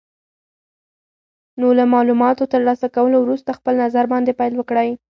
نو له مالوماتو تر لاسه کولو وروسته خپل نظر باندې پیل وکړئ.